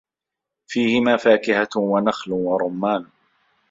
فيهِما فاكِهَةٌ وَنَخلٌ وَرُمّانٌ